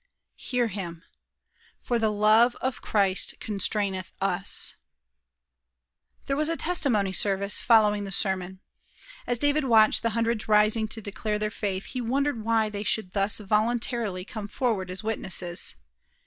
Hear him: 'For the love of Christ constraineth us.'" There was a testimony service following the sermon. As David watched the hundreds rising to declare their faith, he wondered why they should thus voluntarily come forward as witnesses.